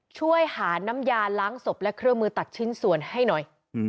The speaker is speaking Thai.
ช่วยหาน้ำยาล้างศพและเครื่องมือตัดชิ้นส่วนให้หน่อย